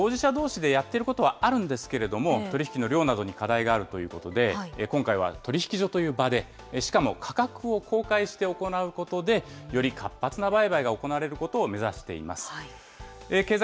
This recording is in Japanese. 今もこうした取り引き、当事者どうしでやってることはあるんですけれども、取り引きの量などに課題があるということで、今回は取引所という場で、しかも価格を公開して行うことで、より活発な売買が行われることを目指しています。